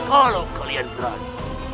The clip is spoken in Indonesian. kalau kalian berani